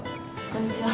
こんにちは。